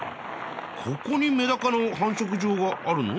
ここにメダカの繁殖場があるの？